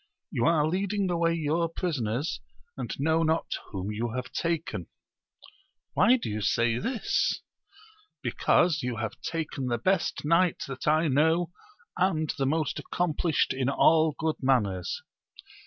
You are leading away your prisoners, and know not whom you have taken. — ^Why do you say this ?— Because you have taken the best knight that I know, and the most accom plished in all good manners.